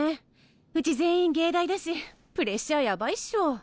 うち全員藝大だしプレッシャーやばいっしょ。